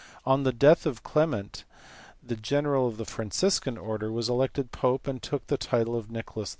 On the death of Clement, the general of the Franciscan order was elected pope and took the title of Nicholas IV.